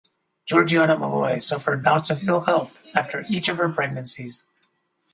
Georgiana Molloy suffered bouts of ill health after each of her pregnancies.